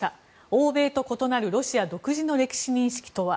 欧米と異なるロシア独自の歴史認識とは。